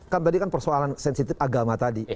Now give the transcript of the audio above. kan tadi kan persoalan sensitif agama tadi